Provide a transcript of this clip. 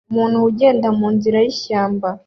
Umuntu ugenda munzira yishyamba